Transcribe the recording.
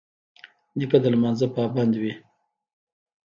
نیکه د لمانځه پابند وي.